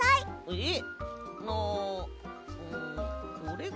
えっ？